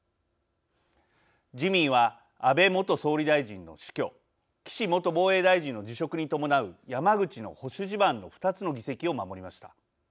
自民は安倍元総理大臣の死去岸元防衛大臣の辞職に伴う山口の保守地盤の２つの議席を守りました。